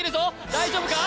大丈夫か？